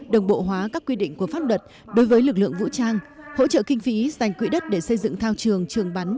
đồng bộ hóa các quy định của pháp luật đối với lực lượng vũ trang hỗ trợ kinh phí dành quỹ đất để xây dựng thao trường trường bắn